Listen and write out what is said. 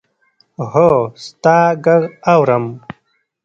هو! ستا ږغ اورم.